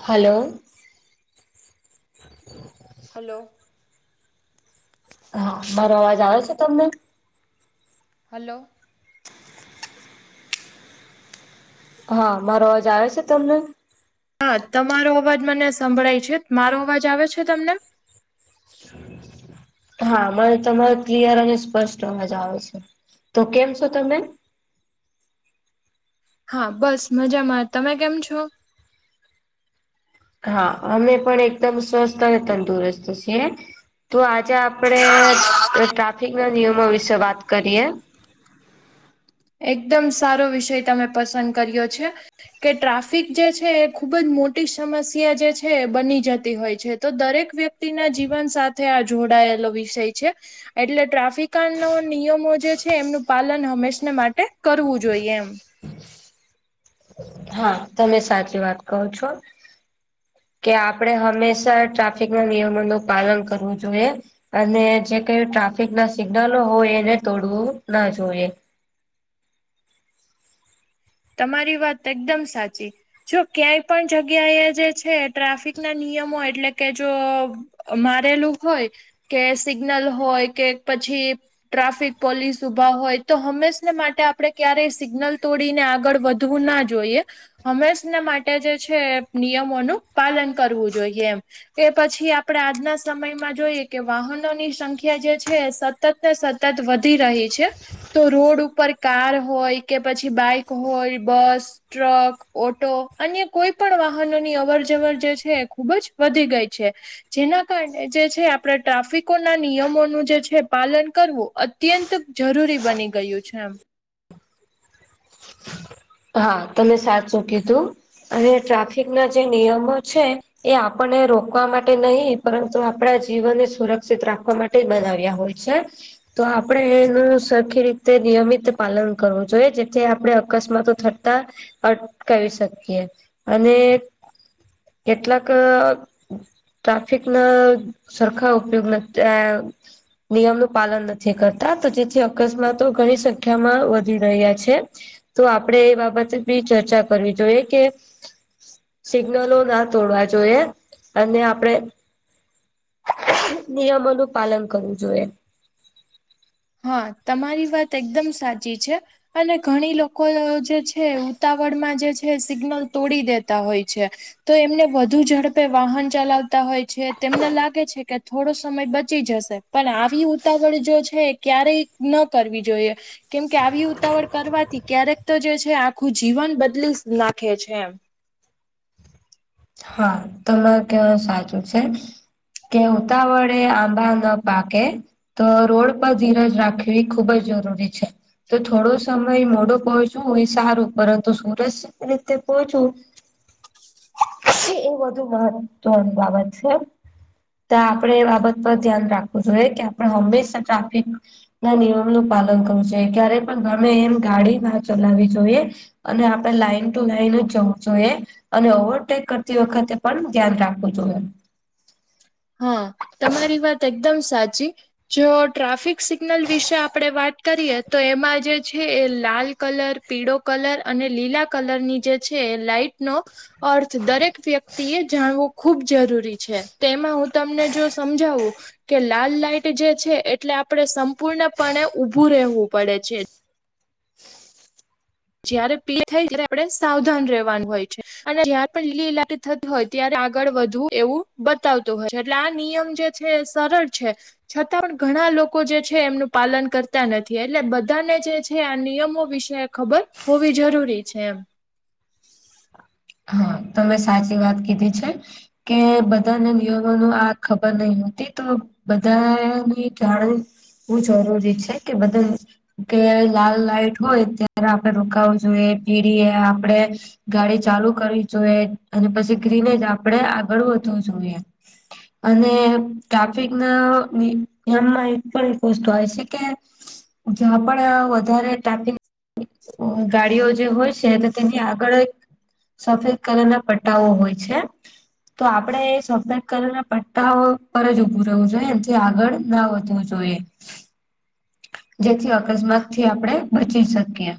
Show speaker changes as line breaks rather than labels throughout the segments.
Hello
hello
હા મારો અવાજ આવે છે તમને?
હલો
હા મારો અવાજ આવે છે તમને?
હા તમારો અવાજ મને સંભળાય છે મારો અવાજ આવે છે તમને?
હા મરે તમારો ક્લિયર અને સ્પષ્ટ અવાજ આવે છે તો કેમ છો તમે?
હા બસ મજામાં. તમે કેમ છો?
હા અમે પણ એકદમ સ્વસ્થ અને તંદુરસ્ત છીએ. તો આજે આપણે ટ્રાફિક ના નિયમો વિશે વાત કરીએ.
એકદમ સારો વિષય તમે પસંદ કર્યો છે. કે ટ્રાફિક જે છે એ ખૂબ જ મોટી સમસ્યા જે છે એ બની જતી હોય છે તો દરેક વ્યક્તિ વ્યક્તિ ના જીવન સાથે આ જોડાયેલો વિષય છે. એટલે ટ્રાફિકા ન નિયમો જે છે એમનું પાલન હંમેશા માટે કરવું જોઈએ એમ
હા તમે સાચી વાત કો છો. કે આપડે હંમેશા ટ્રાફિક ના નિયમોનું પાલન કરવું જોઈએ. અને જે કઈ ટ્રાફિક ના સિગ્નલો હોય એને તોડવું ના જોઈએ.
તમારી વાત એકદમ સાચી જો ક્યાંય પણ જગ્યાએ જે છે ટ્રાફિક ના નિયમો એટલે કે જો મારેલું હોય કે સિગ્નલ હોય કે પછી ટ્રાફિક પોલીસ ઉભા હોય તો હંમેશને માટે આપડે ક્યારેય સિગ્નલ તોડીને આ આગળ વધવું ના જોઈએ. હંમેશના માટે જે છે નિયમોનું પાલન કરવું જોઈએ એમ એ પછી આપણેે આજના સમયમાં જોઈએ કે વાહનોની સંખ્યા જે છે સતત ને સતત વધી રહી છે તો રોડ ઉપર કાર હોય કે પછી બાઈક કોઈ બસ ટ્રક ઓટો અન્ય કોઈ પણ વાહનોની અવર જવર જે છે એ ખુબ જ વધી ગઈ છે. જેના કારણે જે છે આપણે ટ્રાફિકોના નિયમોનું જે છે પાલન કરવું અત્યંત જરૂરી બની ગયું છે એમ
હા તમે સાચું કીધું અને ટ્રાફિક ના જે નિયમો છે એ આપણને રોકવા માટે નહી પરંતુ આપણા જીવનને સુરક્ષિત રાખવા માટે બનાવ્યા હોય છે. તો આપણે એનું સરખી રીતે નિયમિત પાલન કરવું જોઈએ જેથી આપણે અકસ્માતો થતા અટકાવી શકીએ અને કેટલાક ટ્રાફિક ના સરખા ઉપયોગ ત્યા નિયમનું પાલન નથી કરતા તો જેથી અકસ્માતો ઘણી સંખ્યામાં વધી રહ્યા છે. તો આપણેે એ બાબત બી ચર્ચા કરવી જોઈએ કે સિગ્નલો ના તોડવા જોઈએ અને આપડે નિયમોનું પાલન કરવું જોઈએ.
હા તમારી વાત એકદમ સાચી છે અને ઘણી લોકો જે. છે ઉતાવળમાં જે છે સિગ્નલ તોડી દેતા હોય છે. તો એમને વધુ ઝડપે વાહન ચલાવતા હોય છે તેમને લાગે છે કે થોડો સમય બચી જશે. પણ આવી ઉતાવળ જો છે ક્યારેય ન કરવી જોઈએ. કેમકે આવી ઉતાવળ કરવાથી ક્યારેક તો જે છે આખું જીવન બદલી નાખે છેમ.
હા તમારુ કેવા નું સાચું છે. કે ઉતાવળે આંબા ન પાકે. તો રોડ પર ધીરજ રાખવી ખુબ જ જરૂરી છે. તો થોડો સમય મોડો પહોંચવું હોય સારું પરંતુ સુરત રીતે પહોંચવું. એ વધુ મહત્વની બાબત છે. તો આપણે એ બાબત પર ધ્યાન રાખવું જોઈએ કે આપડ હંમેશા ટ્રાફિક. ના નિયમ નું પાલન કરવું જોઈએ ક્યારે પણ ગમે એમ ગાડી ના ચલાવી જોઈએ. અને આપડે લાાઈન ટુ લાાઈન જ જવું જોઈએ અને ઓવર. ટેક કરતી વખતે પણ ધ્યાન રાખવું જોઈએ.
હા તમારી વાત એકદમ સાચી. જો ટ્રાફિક સિગ્નલ વિશે આપડે વાત કરીએ તો એમાં જે છે એ લાલ કલર. પીળો કલર અને લીલા કલરની જે છે લાઈટનો. અર્થ દરેક વ્યક્તિ એ જાણવું ખૂબ જરૂરી છે તે એમાં હું. તમને જો સમજાવું. કે લાલ લાઈટ જે છે એટલે આપણેે સંપૂર્ણપણે ઊભું રહેવું પડે છે. જયારે પીળી થાય ત્યારે આપણે સાવધાન રહેવાનું હોય છે અને જયાર પણ લીલી લા. થત હોય ત્યારે આગળ વધવું એવું બતાવતું હોય છે એટલે આ નિયમ જે છે એ સરળ છે. છતાં પણ ઘણા લોકો જે છે એમનું પાલન કરતા નથી એટલે બધાને જે છે આ નિયમો વિશે. ખબર હોવી જરૂરી છે એમ.
હા તમે સાચી વાત કીધી છે. કે બધાને નિયમો નું આ ખબર નહ હોતી તો. બધાને જાણવું બું જરૂરી છે કે બધા. કે લાલ લાઈટ હોય ત્યારે આપડે રોકાવું જોઈએ પીડીએ આપડે. ગાડી ચાલુ કરવી જોઈએ અને પછી ગ્રીનેજ આપણેે આગળ વધવું જોઈએ. અને ટ્રાફિક નિયમમાં એ પણ એક વસ્તુ આવે છે કે. જ્યાં પણ વધારે ટ્રાફિક. ગાડીઓ જે હોય છે તો તેની આગળ. સફેદ કલરના પટ્ટાઓ હોય છે. તો આપડે એ સફેદ કલરના પટ્ટાઓ પર જ ઉભું રહવું જોઈએ એનથી આગળ ના વધવું જોઈએ. જોએ. જેથી અકસ્માત થી આપણેે બચી શકીએ.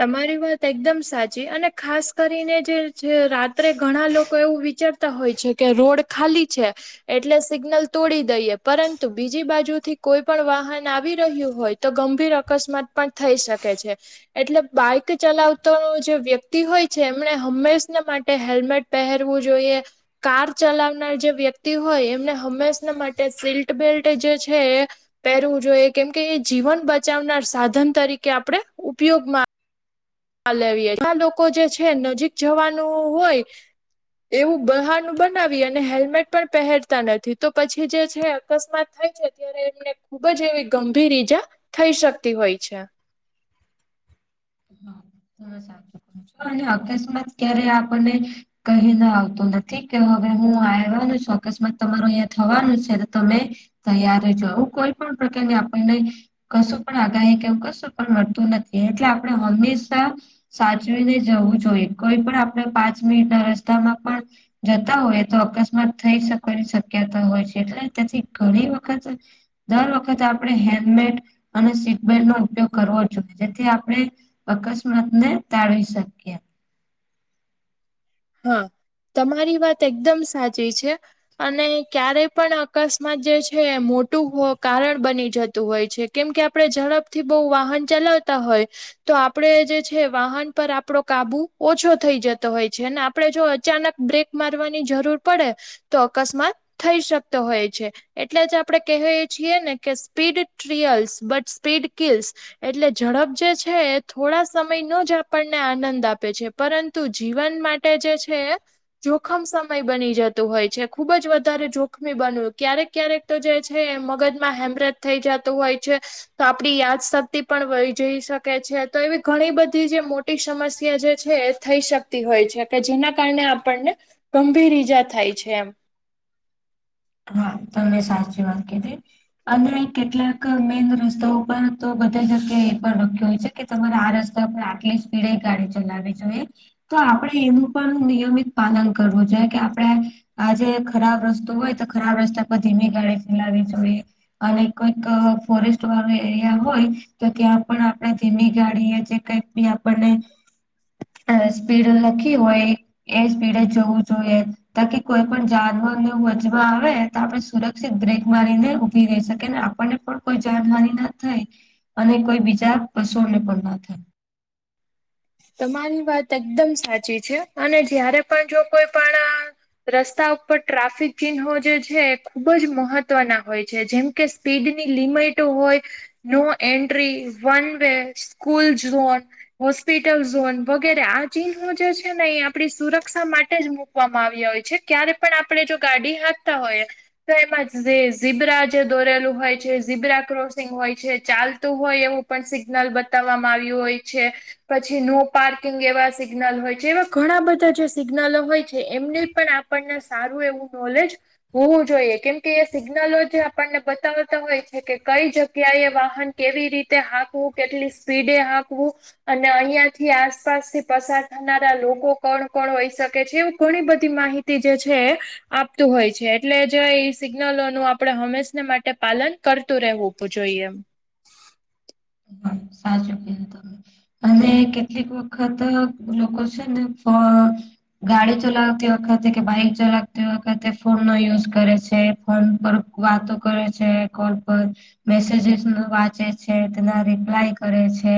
તમારી વાત એકદમ સાચી અને ખાસ કરીને જે રાત્રે ઘણા લોકો એવું વિચારતા. તા હોય છે કે રોડ ખાલી છે. એટલે સિગ્નલ તોડી દઈએ પરંતુ બીજી બાજુ થી કોઈ પણ વાહન આવી રહ્યું હોય. તો ગંભીર અકસ્માત પણ થઈ શકે છે. એટલે બાઈક ચલાવતો જે વ્યક્તિ હોય છે એમને હંમેશને માટે હેલ્મેટ. પહેરવું જોઈએ. કાર ચલાવનાર જે વ્યક્તિ હોય એમને હંમેશ ને માટે સીટ બેલ્ટ જે છે એ. પહેરવું જોઈએ કેમકે એ જીવન બચાવનાર સાધન તરીકે આપણે ઉપયોગમાં. લવી આ લોકો જે છે નજીક જવાનું હોય. એવું બહાનું બનાવી અને હેલ્મેટ પણ પહેરતા નથી તો પછી જે છે. અકસ્માત થાય છે ત્યારે એમને ખુબ જ એવી ગંભીર ઈજા થઈ શકતી હોય છે.
હા સાચું ક છો અને અકસ્માત ક્યારે આપણને. કહીને આવતું નથી કે હવે હું આવવાનું છું અકસ્માત તમારો અહીંયા થવાનું છે તો તમે. તૈયાર રેજો આવું કોઈ પણ પ્રકારની આપણને કશું પણ આગાહી કે એવું કશું પણ મળતું નથી. એટલે આપણે હંમેશા સાચવીને જવું જોઈએ. કોઈ પણ આપણે પાંચ મિનિટના રસ્તામાં પણ જતા હોય તો અકસ્માત થઈ શકવાની શક્યતા હોય છે. એટલે તેથી ઘણી વખત દર વખત આપણેે હેલ્મેટ અને સીટબેલ્ટનો ઉપયોગ કરવો જોઈએ. જેથી આપણે અક્સ માતને ટાળવી શકીએ.
હા તમારી વાત એકદમ સાચી છે. અને ક્યારે પણ અકસ્માત જે છે એ મોટું કારણ બની જતું હોય છે. કેમ કે આપડે ઝડપથી બહુ વાહન ચલાવતા હોય. તો આપડે જે છે વાહન પર આપડો કાબુ ઓછો થઈ જતો હોય. છે ને આપડે જો અચાનક બ્રેક મારવાની જરૂર પડે તો અકસ્માત થઈ શકતો હોય છે. એટલે જ આપણે કહીએ છીએ ને કે speed thrills but speed kills. એટલે ઝડપ જે છે એ થોડા સમયનો જ આપણને આનંદ આપે છે. પરંતુ જીવ જીવન માટે જે છે એ જોખમ સમય બની જતું હોય છે. ખુબ જ વધારે જોખમી બને. ક્યારેક ક્યારેક તો જે છે એ મગજમાં હેમ્રેજ થઈ જાતું હોય છે. તો આપણી યાદ શક્તિ પણ વહી જઈ શકે છે. તો એવી ઘણી બધી જે મોટ મોટી સમસ્યા જે છે એ થઈ શક કતી હોય છે કે જેના કારણે આપણને ગંભીર ઈજા થાય છે એમ.
હા તમે સાચી વાત કીધી. અને કેટલાક મેન રસ્તાઓ ઉપર તો બધી જગ્યાએ એ પણ લખ્યો હોય છે. કે તમારે આ રસ્તા પર આટલી સ્પીડે ગાડી ચલાવી જોઈએ. તો આપણેે એનું પણ નિયમિત પાલન કરવું જોઈએ કે આપણેે આજે ખરાબ રસ્તો હોય તો ખરાબ રસ્તા પર ધીમી ગાડી ચલાવી જોઈએ. અને કોઈક ફોરેસ્ટ વાળો એરિયા હોય તો ત્યાં પણ આપણે ધીમી ગાડીએ જે કંઈક બી આપણને અ સ્પીડ લખી હોય એ સ્પીડે જવું જોઈએ. તાકી કોઈ પણ જાનવરનો [inaudible] આવે તો આપણે સુરક્ષિત બ્રેક મારીને ઉભી રહી શકી. ને આપણને પણ કોઈ જાનહાની ન થાય. અને કોઈ બીજા પશુઓને પણ ના થાય.
તમારી વાત એકદમ સાચી છે. અને જયારે પણ જો કોઈ પણ રસ્તા ઉપર ટ્રાફિક ચિહ્નો જે છે એ ખુબ જ મહત્વના હોય છે. જેમ કે સ્પીડની લિમિટ હોય. No entry, one way, school zone, હોસ hospital zone વગેરે આ ચિહનો જે છે ને એ આપણી સુર રક્ષા માટે જ મુકવામાં આવ્યા હોય છે. ક્યારે પણ આપણે જો ગાડી હાકતા હોઈએ તો એમાં જે ઝીબ્રા જે દોરેલું હોય છે, ઝીબ્રા ક્રોસિંગ હોય છે, ચાલતું હોય એવું પણ સિગ્નલ બતાવવામાં આવ્યું હોય છે. પછી નો પાર્કિંગ એવા સિગ્નલ હોય છે. એવા ઘણા બધા જે સિગ્નલો હોય છે એમને પણ આપ આપણને સારું એવું નોલેજ હોવું જોઈએ. કેમ કે એ સિગ્નલો જે આપણને બતાવતા હોય છે કે કઈ જગ્યા એ વાહન કેવી રીતે હાકવું, કેટલી સ્પીડે હાકવું. અને અહિયાંથી આસપાસથી પસાર થનારા લોકો કોણ કોણ હોઈ શકે છે, એવું ઘણી બધી માહિ તી જે છે એ આપતું હોય છે. એટલે જે એ સિગ્નલોનું આપણે હંમેશને માટે પાલન કરતું રહેવું જોઈએ એમ.
હમ સાચુ કીધું તમે. અને કેટલીક વખત લોકો છે ને ફ ગાડી ચલાવતી વખતે કે, બાઈક ચલાવતી વખતે ફોનનો યુઝ કરે છે. ફોન પર વાતો કરે છે કોલ પર મેસેજીસ ન વાંચે છે. એના રિપ્લાય કરે છે.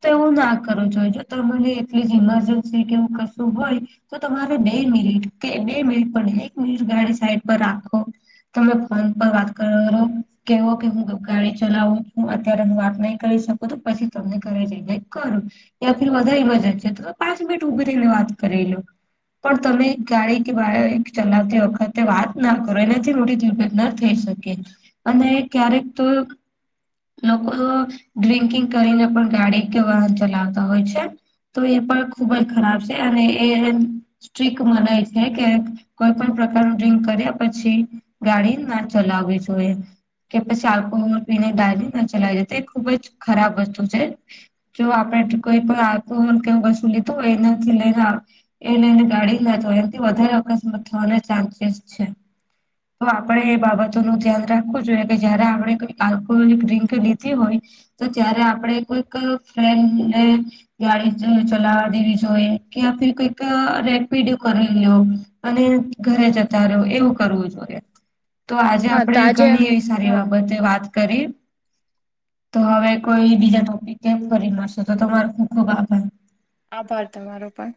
તો એવું ના કરું જોઈ જો ત મને એટલી જ ઇમરજન્સી કેવું કશું હોય તો તમારે બે મિનિટ કે બે મિનિટ પણ એક મિનિટ ગાડી સાઈડ પર રાખો તમે ફોન પર વાત કરો કેવો કે હું ગાડી ચલાવું છુ અત્યારે હું વાત નહી કરી શકુ તો પછી તમને કરે જઈ ને કરું. એથી વધારે ઇમરજન્સી તો પાંચ મિનટ ઉભી રહીને વાત કરે લો. પણ તમે ગાડી કે વાહન ચલાવતી વખતે વાત ના કરો એનાથી મોટી દુર્ધટ ના થઈ શકે અને ક્યારેક તો લોકો તો ડ્રિંકિંગ કરીને પણ ગાડી કે વાહન ચલાવતા હોય છે. તો એ પણગ ખુબ જ ખરાબ છે અને એન સ્ટ્રીક મનાય છે કે કોઈ પણ પ્રકારનું ડ્રિન્ક કર્યા પછી ગાડી જ ના ચલાવી જોઈએ કે પછી આલ્કોહોલ પીને ગાડી ના ચલાવીએ તે ખુબ જ ખરાબ વસ્તુ છે. જો આપડે કોઈ [unintelligible] વસ્તુ લીધું એનાથી લઈને એ લઈને ગાડી જ ના જવાય એમથી વધારે અકસ્માત થવાના ચાન્સીસ છે. તો આપડે એ બાબતો નું ધ્યાન રાખવું જોઈએ કે જયારે આપણે કંઈ કામ કો ડ્રિંક લીધી હોય તો ત્યારે આપણે કોઈક ફ્રેન્ડને ગાડી જ ચલાવા દેવી જોઈએ કે આપડે કઈક રેપિડ કરાઈ લેવું અને ઘરે જતા રહો એવું કરવું જોઈએ. તો આજે
હા તો
આપણેે
આજે
ઘણી એવી સારી
હા
બાબતે વાત કરી. તો હવે કોઈ બીજા ટોપિક કેમ કરી મારશું તો તમારો ખુબ ખુબ આભાર.
આભાર તમારો પણ.